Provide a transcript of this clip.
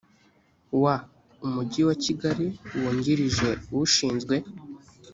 w umujyi wa kigali wungirije ushinzwe